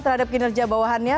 terhadap kinerja bawahannya